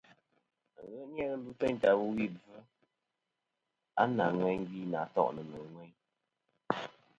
A ni-a ghɨ ɨlvɨ teyn ta wulwi bvɨ nà ŋweyn gvi nà to'nɨ nɨ̀ ŋweyn.